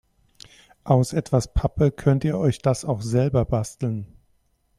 Aus etwas Pappe könnt ihr euch das auch selber basteln.